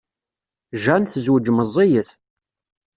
Jane tezweǧ meẓẓiyet.